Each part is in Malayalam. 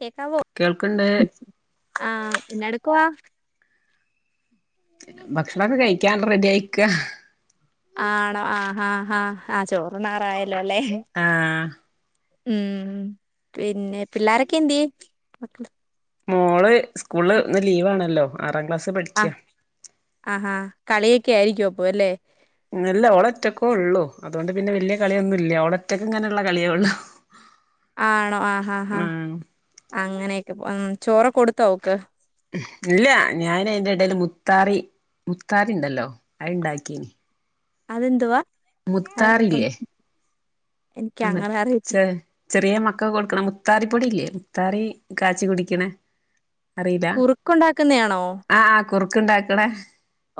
കേക്കാവോ കേൾക്കിണ്ട് ആഹ ന്ന എടുക്കുവാ ഭക്ഷണൊക്കെ കഴിക്കാ റെഡിയിക്ക ആണോ ആ ഹാ ഹാ ആഹ ചോറ് [unintelligible] യല്ലോല്ലേ ആഹ് ഉം പിന്നെ പിള്ളേരൊക്കെ എന്തെ മോള് സ്കൂള് ഇന്ന് ലീവ് ആണല്ലോ ആറാം ക്ലാസ് പഠിക്ക ആ അ കളിയൊക്കെയിരിക്കു അപ്പോ അലെ അല്ല ഓളൊറ്റക്കോള്ളു അതൊണ്ട് പിന്നെ വല്യ കളിയൊന്നുല്ല ഓളറ്റക്ക് ഇങ്ങനെയുള്ള കളിയേള്ളു [inaudible] ആണോ ആ അ അങ്ങനെയൊക്കെ ഉം ചോറൊക്കെ കൊടുത്തോ ഓൾക്ക് ഇല്ല ഞാൻ അയിന്റെ എടയിൽ മുത്താറി മുത്താറിണ്ടല്ലോ അത്ണ്ടാക്കയിനി അത് എന്തുവാ മുത്താറില്ലേ എനിക്ക് ആ അങ്ങനെ മറ്റേ അറിയത്തി ചെ ചെറിയ മക്കൾക് കൊടുക്കണ മുത്താറിപ്പൊടില്ലേ മുത്താറി കാച്ചി കുടിക്ക്ണ കുറുക്കുണ്ടാക്കുന്നയാണോ ആ കുറുക്ക് ണ്ടാക്ക്ണ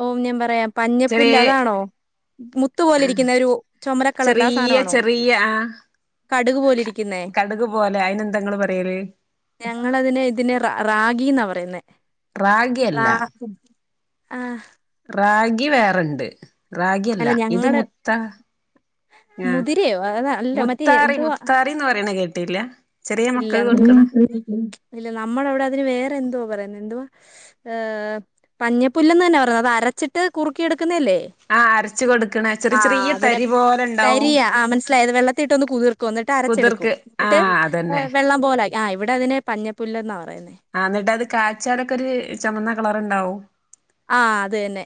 ഓം ഞാൻ പറയാം പഞ്ഞപ്പുല്ല് അതാണോ മു മുത്ത് പോലെ ഇരിക്കുന്നരു ചുമര കളറില ആ ചെറിയ സാനണോ ചെറിയ ആഹ് കടുക് പോലെ ഇരി കടുക് പോലെ അയിനന്താങ്ങള് പറയൽ ഞങ്ങളതിനെ ഇതിനെ റ റാഗിന്നാ പറയുന്നേ റാഗിയല്ല റാ ആഹ റാഗി വേറെണ്ട് റാഗി അല്ല ഇത് മുത്ത ആഹ മുതിരയോ അത അല്ല മറ്റേ മുത്താറി എന്തുവാ മുത്താറിന്ന് പറയണ കേട്ടില്ല ചെറിയ ഇല്ല മക്കൾക്ക്‌ കൊടുക്ക്ണ ഇല്ല നമ്മള അവിടെ അതിന് വേറെ എന്തോ [unintelligible] എന്തോ ഹ് പഞ്ഞപ്പുല്ലന്ന് ന്നാ പറഞ്ഞത് അത് അരച്ചിട്ട് കുറുക്കി എടുക്കുന്നല്ലേ ആഹ് അരച്ച് കൊടുക്കണ ചെറിയ ആഹ ചെറിയ അതിനെ തരി പോലെ ഇണ്ടാവും തരിയ ആ മനസിലായത് വെള്ളത്തിട്ടൊന്ന് കുതിർ കും എന്നിട്ട് അരച്ചെടുക്കും കുതിർക്ക് എന്നിട്ട് ആഹ് അതന്നെ വെള്ളം പോലെ ആ ഇവിടെ അതിനെ പഞ്ഞപ്പുല്ലന്നാ പറയുന്നെ ആഹ എന്നിട്ട് അത് കാച്ചാലൊക്കെ ഒര് ചൊമന്ന കളർണ്ടാവു ആഹ അത് തന്നെ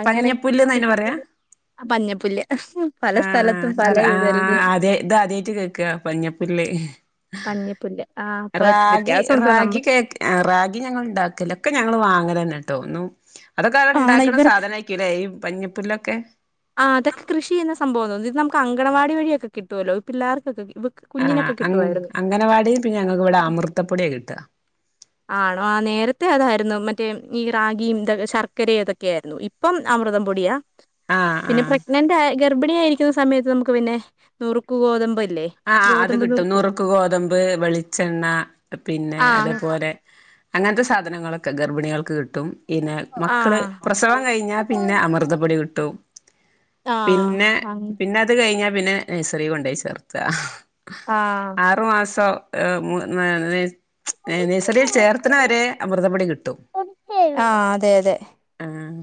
അങ്ങനെ പഞ്ഞപ്പുല്ല്ന്ന് അയിന് പറയാ പഞ്ഞപ്പുല്ല് [unintelligible] സ്ഥലത്തും ആഹ പല ഇതല്ലേ [unintelligible] ആദ്യ ഇത് ആദ്യായിട്ട് കേൾക്ക പഞ്ഞപ്പുല്ല് പഞ്ഞപുല്ല് ആ അപ്പൊ റാഗി വ്യത്യാസം ഉണ്ടോ നമ്മ റാഗി കേക്ക് റാഗി ഞങ്ങൾ ഉണ്ടാക്കല്ല ഒക്കെ ഞങ്ങൾ വാങ്ങലെന്നെട്ടൊ ഒന്നു അതൊക്കെ അ ആണ് ഉണ്ടാക്കുന്ന ഇവർക്ക് സാധന കിട ഈ പഞ്ഞിപ്പുല്ലൊക്കെ ആഹ അതൊക്കെ കൃഷി ചെയ്യുന്ന സംഭവന്ന് ഇത് നമുക്ക് അങ്കവാടി വഴിയൊക്കെ കിട്ടുല്ലോ ഇപ്പ പില്ലാർക്കെ ആഹ [unintelligible] അങ്ങനവാടി പിന്നെ ഞങ്ങൾക്ക് ഇവിടെ അമൃതപ്പൊടിയ കിട്ട ആണോ ആ നേരത്തെ അതായിരുന്നു മറ്റേ ഈ റാഗി ഇത ശർക്കരതൊക്കെയയിരുന്നു ഇപ്പം അമൃതം പൊടിയ. ആഹ് പിന്നെ ആഹ് പ്രഗ്നന്റായ ഗർഭിണിയാ യിരിക്കുന്ന സമയത്ത് നമുക്ക് പിന്നെ നൂറുക്കു ഗോതമ്പല്ലേ? ആഹ് അത് കിട്ടും നുറുക്ക് ഗോതമ്പ്, വെളിച്ചെണ്ണ, പിന്നെ ആ അതേപോലെ അങ്ങനത്തെ സാധനങ്ങളൊക്കെ ഗർഭിണികൾക്ക് കിട്ടും. പിന്നെ ആ മക്കള് പ്രസവം കഴിഞ്ഞാ, പിന്നെ അമൃതപ്പൊടി കിട്ടും. ആ പിന്നെ അങ്ങ് പിന്നെ അത് കഴിഞ്ഞാ, പിന്നെ നൈസറി കൊണ്ടേയി ചേർത്ത. ആഹ് ആറുമാസം ഏ മു മ [unintelligible] നൈസറീൽ ചേർത്തണവരെ അമൃതപൊടി കിട്ടും. ആ അതെ അതെ അഹ്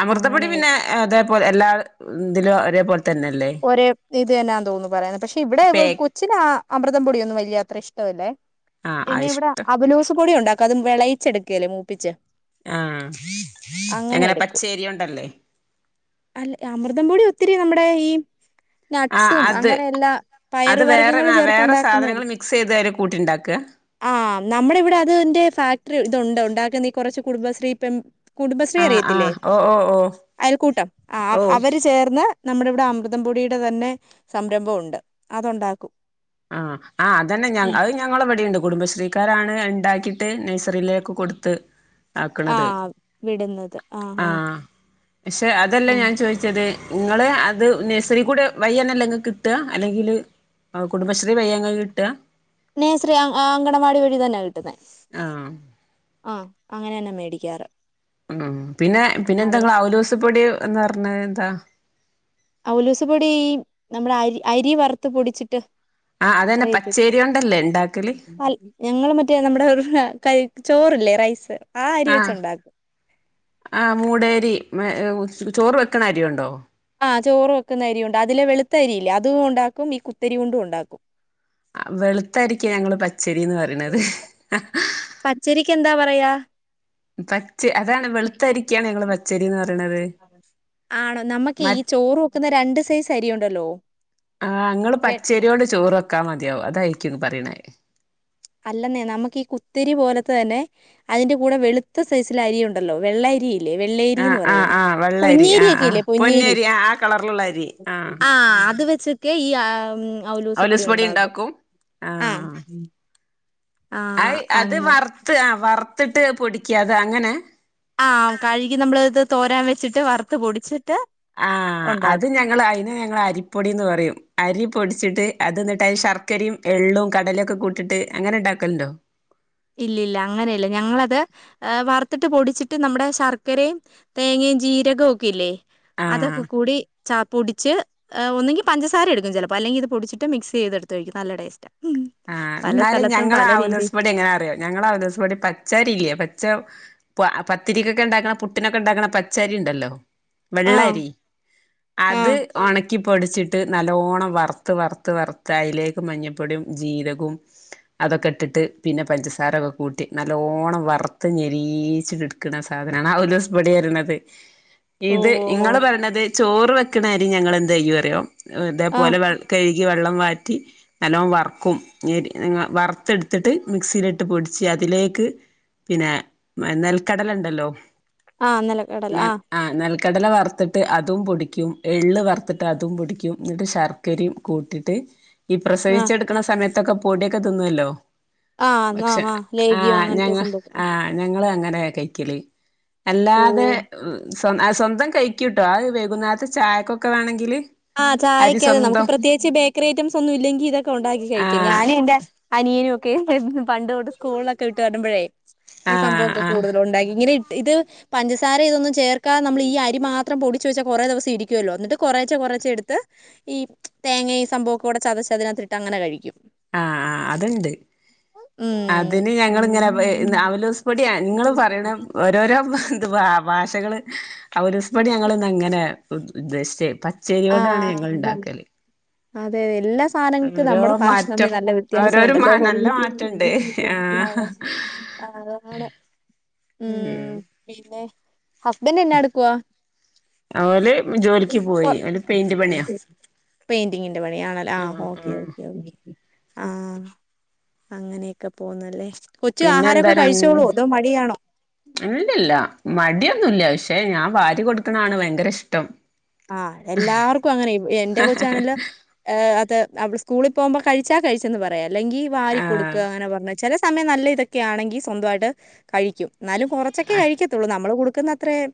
അമൃതപ്പൊടി അങ്ങനെ പിന്നെ അതേപൊലെ എല്ലാ ഇതിലും ഒരേപോൽതന്നെയല്ലേ? ഒരേ ഇത് തന്നേ തോന്നുന്നു പറയതെ പക്ഷെ ഇവിടെ വ് പേക്ക് കൊ ച്ച്ന് ആഹ് അമൃത പൊടിയൊന്നും വലിയ അത്ര ഇഷ്ടമല്ലേ. ആഹ് ആഹ് പിന്നെ ഇവിടെ ഇഷ്ടം അബലൂസ് പൊടിയ ഉണ്ടാക ക്കതും വെളയിച്ചെടുക്കല്ലേ, മൂപ്പിച്ച്. ആഹ്, അങ്ങനെ എങ്ങനെ എടുക്കും പച്ചേരിയോണ്ടല്ലേ? അല്ല, അമൃതംപൊടി ഒത്തിരി നമ്മുടെ ഈ ആഹ് നട്ട്സും അത് അങ്ങനെ എല്ലാ അത് പയറ് വേറെ വർഗങ്ങളും ആഹ് ചേർത്ത വേറെ സാധനങ്ങൾ ഉണ്ടാക്കുന്നതല്ലെ മിക്സ് ചെയ്ത് അതില് കൂട്ടിണ്ടാക്കുക ആഹ് നമ്മളിവിടെ അതിന്റെ ഫാക്ടറി തുണ്ട് ഉണ്ടാക്കുന്നീ കുറച്ച് കുടുംബശ്രീ പ്പം കുടുംബശ്രീ ആഹ് അറിയത്തില്ലേ ആഹ് ഓഹ് ഓഹ് ഓഹ് അയൽക്കൂട്ടം ആ ഓഹ് അവര് ചേർന്ന് നമ്മുടെവിടെ അമ്പ മൃതം പൊടിയുടെ തന്നെ സംരംഭമുണ്ട് അതുണ്ടാക്കും ആഹ് ആഹ് അതന്നെ ഞ ഉം. അഹ് ഞ ങ്ങളവിടെണ്ട് കുടുംബശ്രീക്കാരാണ് ണ്ടാക്കിട്ട് നഴ്സറിയിലേക്ക് കൊടുത്തത് ആ ആക്ക്ണത് വിടുന്നത് ആ ആ ആഹ് ക്ഷെ അതല്ലേ ഞാൻ ആ ചോയിച്ചത് ഇങ്ങള് അത് നേഴ്സറി കൂടെ വയ്യന്നല്ലെങ്ങക്ക് കിട്ട അല്ലെങ്കില് ആഹ് കുടുംബശ്രീ വയ്യങ്ങക്ക് കിട്ട നേഴ്സറി അങ്കണവാടി വഴി തന്നാ കിട്ടുന്നേ ആഹ് ആഹ് അങ്ങനന്നെ മേടിക്കാറ് അഹ് പിന്നെ പിന്നെന്താ അവിടെ ങ്ങൾ ഔലോസുപ്പൊടി ന്ന് പറഞ്ഞതെന്താ അവ്ലൂസ് പൊടി നമ്മുടെ അരി അരി വറുത്ത് പൊടിച്ചിട്ട് ആഹ് അതന്നെ അറിയത്തി പച്ചേരിയോണ്ടല്ലേ ണ്ടാക്കല് ഞങ്ങള് മറ്റേ നമ്മുടെ ക ചോറ്ല്ലേ റൈസ് ആഹ് അരി വെച്ചുണ്ടാക്കും ആഹ് മൂടേരി മേ ചോറ് വെക്ക്ണരിയോണ്ടോ ആഹ് ചോറ് വെക്കുന്നരിയോണ്ട അതിലെ വെളുത്തരിയില്ലേ അതും ണ്ടാക്കും ഈ കുത്തരിയോണ്ടും ണ്ടാക്കും അഹ് വെളുത്തരിക്ക ഞങ്ങള് പച്ചരിന്ന് പറയ്ണത് പച്ചരിക്കെന്താ പറയാ പച്ച അതാണ് വെളുത്തരിക്കാണ് ഞങ്ങള് പച്ചരിന്ന് പറയണത് മ ക്കുന്ന രണ്ട് സൈസരിയുണ്ടല്ലോ ആഹ് ങ്ങള് പച്ചേരിയോണ്ട് ചോറ് വെക്കാ മതിയാവും അതായിരിക്കും പറയ്ണേ അല്ലെന്നെ നമുക്കീ കുത്തിരി പോലത്തെതന്നെ അതിന്റെ കൂടെ വെളുത്ത സൈസിലരിയുണ്ടല്ലോ വെള്ള അരി ആഹ് വെള്ളേരീന്ന് ആഹ് പറയയ്ന് ആഹ് വെള്ളരി ആഹ് ആഹ് പൊന്നിരിയൊക്കെയില്ലേ പൊന്നിയരി ആഹ് ആ കളറിലുള്ള അരി ആഹ് അത് വെച്ച്ക്കെ ഈ ആ അവ്ലൂസ് ഓലൂസ് പൊടി പൊടിയുണ്ടകും ഇണ്ടാക്കും ആഹ് ആഹ് അത് വർത്ത് ആഹ് വർത്തിട്ട് പൊടിക്കത് അങ്ങനെ ആഹ് കഴുകി നമ്മളിത് തോരാൻ വെച്ചിട്ട് വറുത്ത് പൊടിച്ചിട്ട് ആഹ് ഉണ്ടാക്കും അത് ഞങ്ങളയ്ന് ഞങ്ങളരിപ്പൊടിന്ന് പറയും അരി പൊടിച്ചിട്ട് അത് ന്നിട്ട് ശർക്കരയും എള്ളും കടലൊക്കെ കൂ ട്ടിട്ട് അങ്ങനെണ്ടാക്കല്ണ്ടോ ഇല്ലില്ല ങ്ങനെല്ല ഞങ്ങളത് വർത്തിട്ട് പൊടിച്ചിട്ട് നമ്മുടെ ശർക്കരേം തേങ്ങേം ജീരകൊക്കെല്ലേ അതൊക്കെ ആഹ് കൂടി ചാ പൊടിച്ച് ഒന്നെങ്കിൽ പഞ്ചസാര എടുക്കും ചെലപ്പോ അല്ലെങ്കിത് പൊടിച്ചിട്ട് മിക്സെയ്തെടുത്ത് കഴിക്കും നല്ല ടേസ്റ്റാ ആഹ് ന്നാലും രീതി ഞങ്ങളവലോസ് പൊടി എങ്ങനെ അറിയോ ഞങ്ങളവലോസ് പൊടി പച്ചരി ല്ലേ പച്ച പ പത്തിരിക്കൊക്കെണ്ടാക്ക്ണ പുട്ടിനൊക്കെണ്ടാക്ക്ണ പച്ചരി ണ്ടല്ലോ ആ വെള്ളരി ആ അത് ഒണ ക്കി പൊടിച്ച്ട്ട് നല്ലോണം വർത്ത് വർത്ത് വർത്ത് അയ്ലേക്ക് മഞ്ഞപ്പൊട്യും ജീരകവും അതൊക്കെട്ട്ട്ട് പിന്നെ പഞ്ചസാരൊക്കെ കൂട്ടി നല്ലോണം വർത്ത് ഞെരീച്ചിങ്ങ്ട്- ക്ക്ണ സാധനാണ് അവലോസ് പൊടി വര്ണത് ഓ ഇത് ഓ ഓ ഇങ്ങള് പറ്യണത് ചോറ് വെക്കണരി ഞങ്ങളെന്തയ്യറിയോ ആ ഇതേപോലെ വെ കഴ് ഴ്കി വെള്ളം വാറ്റി നല്ലോം വർ ക്കും ഞെര് വർത്തെട്ത്ത്ട്ട് മിക്സീലിട്ട് പൊടിച്ച് അതിലേക്ക് പിന്നെ നെൽക്കടലണ്ടല്ലോ ആഹ് നെലക്കടല ആഹ് ആ നെൽക്കടല വർത്തിട്ട് അതും പൊടിക്കും എള്ള് വർത്തിട്ടതും പൊടിക്കും ന്നിട്ട് ഷർ ക്കരിം കൂട്ടിട്ട് ഈ ആ പ്രസവിച്ചെട്ക്ക്ണ സമയത്തൊക്കെ പൊടിയൊക്കെ തിന്നുവല്ലോ ആ ആ പക്ഷെ ആ ലേഗിയോ ആഹ് അങ്ങനത്തെ ഞങ്ങ സംഭവം ആഹ് ഞാങ്ങള് അങ്ങനെ കഴിക്കല് ഓ അല്ലാതെ സ്വ സ്വന്തം കഴിക്കുട്ടോ അത് വൈകുന്നേരത്ത് ചായക്കൊക്കെ വേണങ്കില് ആഹ് ചായൊക്കെ അതെ നമക്ക് പ്രത്യേകിച്ച് ബേക്കറി ഐറ്റംസ് ഒന്നും ഇല്ലങ്കിൽ ഇത് ഉണ്ടാക്കി ആ കഴിക്കും ഞാനും എന്റെ അനിയനും ഒക്കെ പണ്ട് തൊട്ട് സ്കൂളിലൊക്കെ വിട്ട് വരുമ്പോഴേ ഈ ആ സംഭവൊക്കെ ആ കൂടുതലും ഉണ്ടാക്കി ഇങ്ങനെ ഇ ഇത് പഞ്ചസാര ഇതൊന്നും ചേർക്കാതെ നമ്മള് ഈ അരി മാത്രം പൊടിച്ച് വെച്ചാ കുറെ ദെവസരിക്കല്ലോ എന്നിട്ട് കുറേച്ചെ കുറ ച്ചെടുത്ത് ഈ തേങ്ങ ഈ സംഭവ കൂടെ ചതച്ചതിനകത്തിട്ട് അങ്ങനെ കഴിക്കും ആഹ് ആഹ് അതിണ്ട് ഉം അതിന് ഞങ്ങളിങ്ങനെ അവലോസ് പൊടി നിങ്ങള് പറയണ ഓരോരോ ന്ത്ബ ഭാഷകള് അവലോസ്പൊടി ഞങ്ങളിന്നങ്ങനെ ഉദ്ദേശിച്ചെ പ ആ ച്ചരികൊണ്ടാണ് ഞങ്ങൾ ഉണ്ടാക്കല് അതെ എല്ലാ സാനങ്ങൾക്ക് ഓരോ നമ്മടെ ഫാഷ മാറ്റം തമ്മിൽ നല്ല ഓരോരോ മാ വ്യത്യാസുണ്ടല്ലേ നല്ല മാറ്റണ്ട് പൊതുവിൽ ആഹ് ആണ് ഉം പിന്നെ ഹസ്ബൻഡ് എന്ന എടുക്കുവ അവല് ജോലിക്ക് പോയി ഓല് പെയിന്റ് പണിയാ പെയിന്റിങ്ങിന്റെ പണിയാണല്ലേ ആഹ് ഓക്കെ ഓക്കെ ഓക്കെ ആഹ് അങ്ങനെയൊക്കെ പോന്നല്ലേ കൊച്ച് പിന്നെ ആഹാരൊക്കെ കഴിച്ചോളോ അതോ മടിയാണോ അങ്ങനെന്നുല്ല മടിയൊന്നുല്ല പക്ഷേ ഞാൻ വാരി കൊടുക്കുന്നതാണ് ഭയങ്കര ഇഷ്ടം ആഹ് എല്ലാവർക്കും അങ്ങനെയ് എന്റെ കൊച്ചാണെല്ലോ അത് അവള് സ്കൂളിൽ പോകുമ്പോ കഴി ച്ച കഴിച്ചെന്ന് പറയാം അല്ലെങ്കിൽ വാരി കൊടുക്ക ആഹ് അങ്ങനെ പറഞ്ഞ ചെല സമയം നല്ല ഇതൊക്കെ ആണെങ്കിൽ സ്വന്തമായിട്ട് കഴിക്കും എന്നാലും കൊറച്ചൊക്കെ കഴിക്ക ത്തോള് നമ്മള് കൊടുക്കുന്ന അത്രേം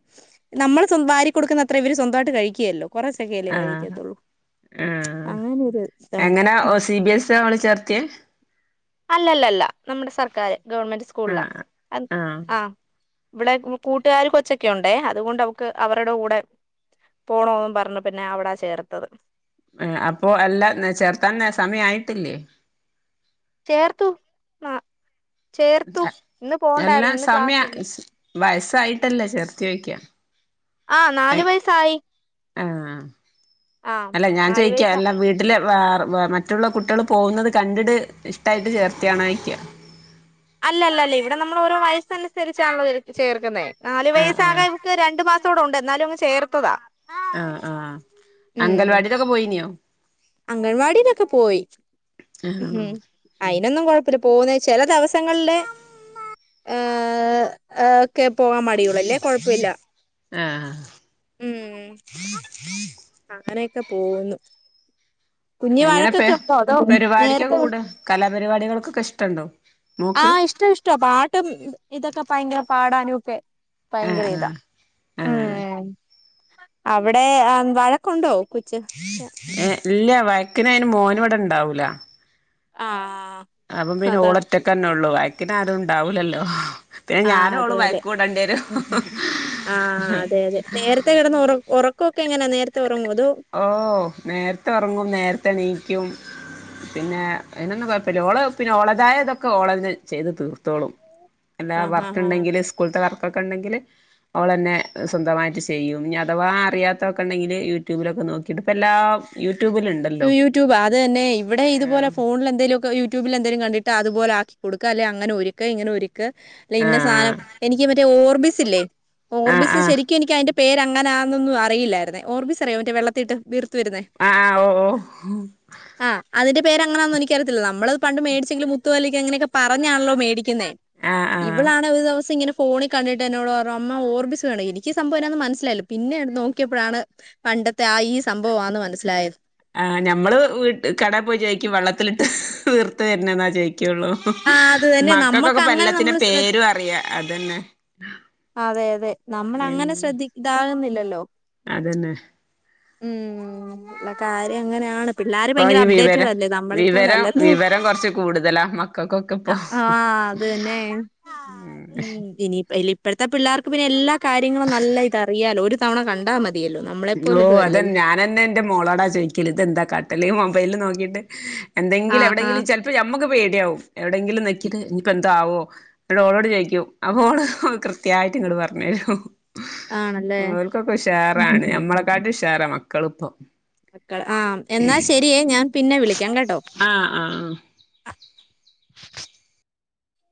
നമ്മള് വാരി കൊടുക്കുന്ന അത്രേ ഇവര് സ്വന്തായിട്ട് കഴിക്കേലല്ലോ കൊറച്ചേക്കേല്ലെ ആഹ് കഴിക്കത്തൊള്ളൂ ആഹ് അങ്ങനൊരു ഇതുണ്ട് എങ്ങനെ ഓ സി ബി എസ് അവള് ചേർത്തിയേ അല്ലല്ലല്ല നമ്മടെ സർക്കാര് ഗവൺമെന്റ് സ്കൂൾലാ ആഹ് അ ആഹ് ഇവിടെ കൂ കൂട്ടുകാര് കൊച്ചക്കെ ഉണ്ടെ അതുകൊണ്ട് അവക്ക് അവരുടെ കൂടെ പോണോന്നും പറഞ്ഞപ്പിന്നെ അവിടാ ചേർത്തത് എഹ് അപ്പൊ എല്ലാം ന് ചേർത്താന് സമയം ആയിട്ടില്ലേ ചേർത്തു ആഹ് ചേർത്തു ഇന്ന് പോകണ്ടായിരുന്നു ഇന്ന് ക്ലാസില്ല വയസ്സായിട്ടല്ലെ ചേർത്തേ ചോയ്ക്ക്യാ ആഹ് നാല് വയസ്സായി ആഹ് ആ അല്ല ഞാൻ നാലു ചോയിക്ക്യാ വയസാ എല്ലാ വീ ട്ടില് വേറെ വേ മറ്റുള്ള കുട്ടികള് പോകുന്നത് കണ്ടിട്ട് ഇഷ്ട്ടായിട്ട് ചേർത്തയാണോ ചോയ്ക്ക്യ അല്ലല്ലല്ല ഇവിടെ നമ്മളോരോ വയസ്സനുസരിച്ചാണല്ലോ ചേർക്കുന്നെ നാല് ആഹ് ആഹ് വയസ്സാകാൻ ഇ വക്ക് രണ്ട് മാസോടൊണ്ട് എന്നാലും അങ്ങ് ചേർത്തതാ ആഹ് ആഹ് അംഗൽവാടിയിലൊക്കെ പോയിനോ അംഗൻവാടീലൊക്കെ പോയി ആഹ് അയിനൊന്നും കൊഴപ്പില്ല പോകുന്ന ചെല ദിവസങ്ങളിലെ ഏഹ് എഹ് ക്കെ പോവാൻ മടിയുള്ളു അല്ലേ കൊഴപ്പില്ല ആഹ് ഉം അങ്ങനെയൊക്കെ പോകുന്നു കുഞ്ഞ് എങ്ങനെ പെ വഴക്കൊക്കെ ഉണ്ടോ അതോ പെരിപാടിക്കൊക്കെ നേരത്തെ കൂടെ കലാപരിപാടികൾക്കൊക്കെ ഇഷ്ട്ടെണ്ടോ ആഹ് ഇഷ്ടം ഇഷ്ടാ പാട്ടും ഇതൊക്കെ ഭയങ്കര പാടാനും ഒക്കെ ആഹ് ഭയങ്കര ഇതാ ആഹ് ആഹ് ഉം അവിടേ ആഹ് വഴക്കൊണ്ടോ കൊച്ച് ഏഹ് ഇല്ല വഴ‌ക്കിന് അയിന് മോന് ഇവിടെ എണ്ടാവൂല ആഹ് അപ്പം പിന്നെ അതാ ഓളൊറ്റക്കന്നെ ഉള്ളു വഴക്കിന് ആരും ഇണ്ടാവൂല്ലല്ലോ പിന്നെ ആഹ് ഞാനും അതെ ഓളും അതെ വഴക്ക് കൂടെ ണ്ടിവരും ആഹ് അതെ അതെ നേരത്തെ കിടന്നൊറ ഒറക്കോക്കെ എങ്ങനാ നേരത്തെ ഒറങ്ങോ അതോ ഓഹ് നേരത്തെ ഒറങ്ങും നേരത്തെണീക്കും പിന്നെ അയിനൊന്നും കൊ ഴപ്പില്ല ഓള് പിന്നെ ഓളതായതൊക്കെ ഓളന്നെ ചെയ്ത് തീർത്തോളും എല്ലാ ആഹ് ആഹ് ആഹ് വർ‌ക്കിണ്ടെങ്കില് സ്കൂളിത്ത വർക്കൊക്കെ ഇണ്ടെങ്കില് ഓളന്നെ സ്വന്തമായിട്ട് ചെയ്യും ഇഞ്ഞി അഥവാ അറിയാത്തൊക്കെ ഇണ്ടെങ്കില് യൂട്യൂബിലൊക്കെ നോ ക്കിട്ട് ഇപ്പെല്ലാം യൂട്യൂബിലെണ്ട് യൂട്യൂബ് അത് തന്നെ ഇവിടേ ഇത്പോലെ ഫോണിലെന്തേലൊക്കെ യൂ ട്യൂബിലെന്തേലും കണ്ടിട്ട് അത്പോലെ ആക്കി കൊടുക്ക് അല്ലേ അങ്ങനെ ഒരുക്ക് ഇങ്ങനെ ഒരു ക്ക് അല്ല ഇന്ന സാനം ആഹ് എനിക്ക് മറ്റേ ഓർബിസ് ഇല്ലെ ആഹ് ഓർബിസ് ആഹ് ശരിക്കും എനിക്ക് അയിന്റെ പേരങ്ങനാന്നൊന്നും അറിയില്ലായിരുന്നെ ഓർബിസറിയാ മറ്റേ വെള്ളത്തി ഇട്ട് വീർത്ത് വരുന്നെ ആഹ് ആഹ് ഓഹ് ഓഹ് ആഹ് അതിന്റെ പേരങ്ങനാന്ന് എനിക്കറിയത്തില്ല നമ്മളത് പണ്ട് മേടിച്ചെങ്കിലും മുത്തുപോലെക്കങ്ങനെക്കെ പറഞ്ഞാണല്ലോ മേടിയ്ക്കുന്നെ ആഹ് ആഹ് ഇവളാണെ ഒരു ദിവസിങ്ങനെ ഫോണി കണ്ടിട്ട് എന്നോട് പറഞ്ഞു അമ്മ ഓർബിസ് വേണം എനിക്ക് സംഭവെന്നാന്ന് മനസ്സിലായില്ല പിന്നെയാണ് നോക്കിയപ്പഴാണ് പണ്ടത്തെ ആഹ് ഈ സംഭവാന്ന് മനസ്സിലായത് ആഹ് ഞമ്മള് വീട്ട് കടേ പോയി ചോയിക്കും വെള്ളത്തിലിട്ട് വീർത്ത് വര്ണെന്നാ ചോയ്ക്കൊള്ളൂ ആ അത് തന്നെ മക്കക്കൊക്കെ നമുക്ക് അങ്ങനെ നമ്മൾ ഇപ്പെല്ലത്തിന്റേം ശ്രദ്ധ പേരും അറിയാം അതന്നെ അതെ അതെ ഉം നമ്മളങ്ങനെ ശ്രദ്ധി ഇതാകുന്നില്ലല്ലോ അതന്നെ ഉം ള്ള കാര്യങ്ങനെയാണ് പിള്ളാര് ഇപ്പൊ ഭയങ്കര ഈ വിവരം അപ്ഡേറ്റഡല്ലേ വിവരം നമ്മളെപ്പോലല്ലല്ലോ വിവരം കൊറച്ച് കൂടുതലാ മക്കക്കൊക്കെ ആഹ് ഇപ്പൊ അത് തന്നെ ഇനിപ്പൊ ഇലി പ്പഴത്തെ പിള്ളാർക്ക് പിന്നെ എല്ലാ കാര്യങ്ങളും നല്ല ഇതറിയാലോ ഒരു തവണ കണ്ടാ മതിയല്ലോന്ന് യോ അതെ ഞാനന്നെ ന്റെ മോളോടാ ചോയ്ക്കല് ഇത് എന്താ കാട്ടല് മൊബൈല് നോക്കിട്ട് എന്തെങ്കിലും ആഹ് എവിടെങ്കിലും ആഹ് ചെല പ്പ ഞമ്മക്ക് പേടിയാവും എവിടെങ്കിലും ഞെക്കിട്ട് ഇഞ്ഞിപ്പോ എന്താവോ ന്നട്ട് ഓളോട് ചോയിക്കും അപ്പോ ഓള് കൃത്യായിട്ട് ഇങ്ങട് പറഞ്ഞെരും ആണല്ലേ ഓൽക്കൊക്കെ ഉഷാറാണ് ഞമ്മളക്കാട്ടി ഉഷാറ മക്കളിപ്പൊ മക്കള് ആഹ് എന്നാ ശരിയേ ഞാൻ പിന്നെ വിളിയ്ക്കാം കേട്ടോ ആഹ് ആഹ്